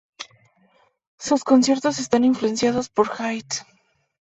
Sus conciertos están influenciados por Haydn.